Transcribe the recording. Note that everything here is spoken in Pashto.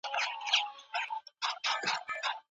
موږ باید له تیرو پیښو څخه عبرت واخلو.